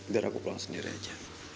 biar aku pulang sendiri aja